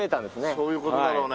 そういう事だろうね。